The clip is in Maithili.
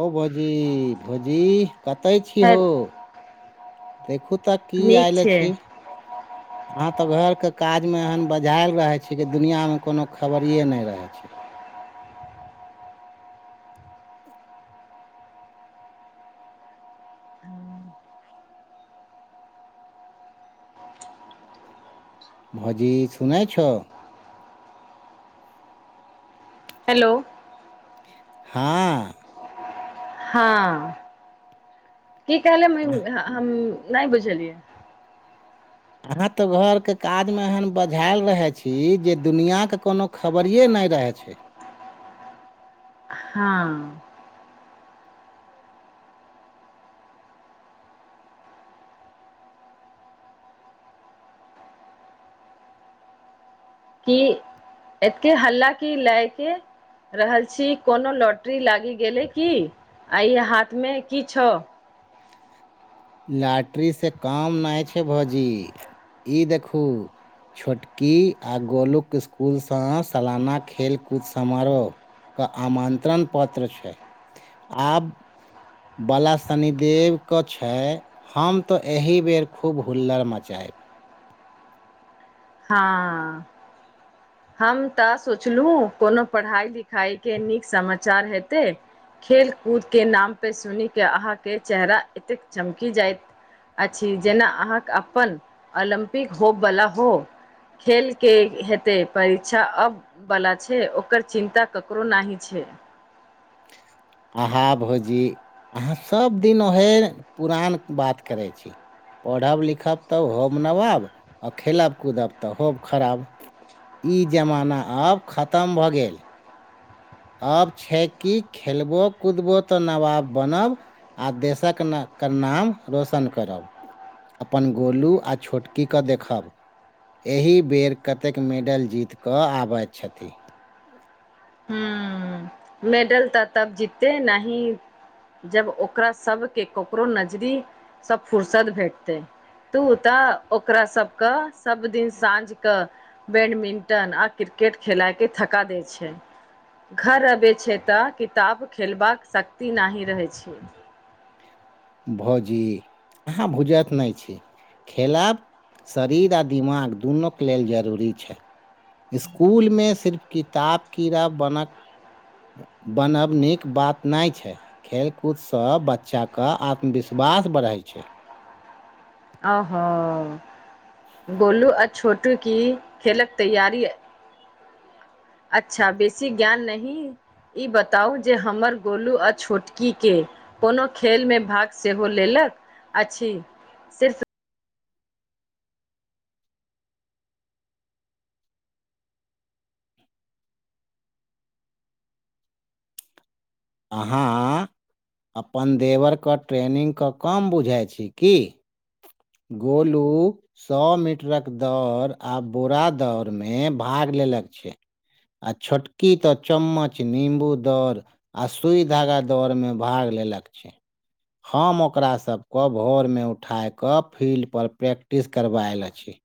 ओ भौजी भौजी कतय छी हे हौ देखू तऽ की आयल छै [inaudible] अहाँ तऽ घरके काजमे एहन बझायल रहै छी कि दुनिआँमे कोनो खबरिए नहि रहै छै भौजी सुनै छो हेलो हँ हँ की कहले अह- हम नहि बुझलियै अहाँ तऽ घरके काजमे एहन बझायल रहै छी जे दुनिआके कोनो खबरिये नैय रहै छै हँ की एते हल्ला की लएकेँ रहल छी कोनो लॉटरी लागि गेलै की आइ हाथमे की छौ लाटरी से काम नहि छै भौजी ई देखहूँ छोटकी आ गोलुक इस्कूलसँ सालाना खेलकूद समारोह कऽ आमंत्रण पत्र छै आब बाला शनिदेव कछ छैे हम तऽ एहि बेर खूब हुल्लर मचाएब हँ हम तऽ सोचलहुँ कोनो पढ़ाइ लिखाइके नीक समाचार हेतै खेल कूदके नामपर सुनिकऽ अहाँकेँ चेहरा एतेक चमकि जायत अछि जेना अहाँके अपन ओलम्पिक होब वला हो खेलकेँ हेतै परीक्षा अब वला छै ओकर चिन्ता ककरो नहि छै अहाँ भौजी अहाँ सभदिन ओहे पुरान बात करै छी पढ़ब लिखब तऽ होब नबाब आ खेलब कूदब तऽ होब खराब ई जमाना आब खतम भऽ गेल आब छै कि खेलबो कूदबो तऽ नवाब बनब आ देशक नऽ कऽ नाम रोशन करब अपन गोलू आ छोटकीकेँ देखब एहि बेर कतेक मेडल जीत कऽ आबैत छथि हूँ मेडल तऽ तब जीते नहि जब ओकरा सबके ककरो नजरी सब फुर्सत भेटतै तू तऽ ओकरा सब कऽ सभ दिन साँझ कऽ बैडमिंटन आ क्रिकेट खेलाइ के थका दे छै घर अबे छै तऽ किताब खेलबाक शक्ति नहि रहै छै भौजी अहाँ बुझत नहि छी खेलाब शरीर आ दिमाग दुनूके लेल जरूरी छै इसकुलमे सिर्फ किताब कीड़ा बनक बनब नीक बात नहि छै खेल कूदसँ बच्चा कऽ आत्मविश्वास बढ़ै छै आ हों गोलू आ छोटू की खेलक तैयारी अच्छा बेसी ज्ञान नही ई बताउ जे हमर गोलू आ छोटकीके कोनो खेलमे भाग सेहो लेलक अछि सिर्फ आहाँ अपन देवर कऽ ट्रेनिंग क काम बुझाइ छी की गोलू सौ मीटरक दौड़ आ बुरा दौड़मे भाग लेलक छै आ छोटकी तऽ चम्मच निम्बू दर आ सुइ धागा दौड़मे भाग लेलक छै हम ओकरा सबके भोरमे उठाय क फील्ड पर प्रैक्टिस करबायल अछि